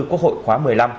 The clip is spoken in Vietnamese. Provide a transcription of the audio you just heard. quốc hội khóa một mươi năm